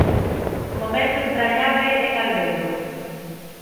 Momento entrañable en Alvedro.